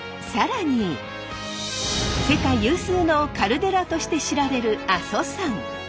更に世界有数のカルデラとして知られる阿蘇山！